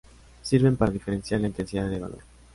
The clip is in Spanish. Sirven para diferenciar la intensidad de dolor.